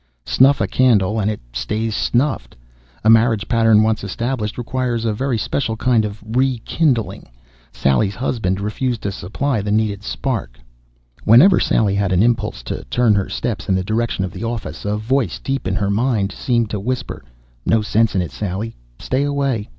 Snuff a candle and it stays snuffed. A marriage pattern once established requires a very special kind of re kindling. Sally's husband refused to supply the needed spark. Whenever Sally had an impulse to turn her steps in the direction of the office a voice deep in her mind seemed to whisper: "No sense in it, Sally. Stay away.